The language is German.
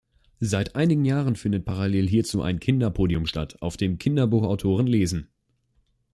Seit einigen Jahren findet parallel hierzu ein Kinder-Podium statt, auf dem Kinderbuchautoren lesen.